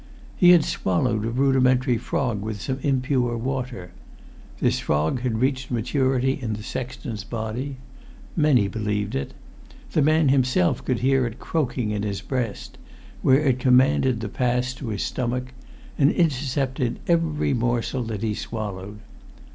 He had swallowed a rudimentary frog with some impure water. This frog had reached maturity in the sexton's body. Many believed it. The man himself could hear it croaking in his breast, where it commanded the pass to his stomach, and intercepted every morsel that he swallowed.